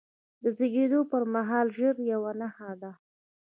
د زیږېدلو پرمهال ژړل یوه نښه ده.